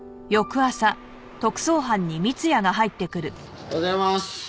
おはようございます。